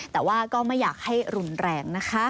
แต่ว่าก็ไม่อยากให้รุนแรงนะคะ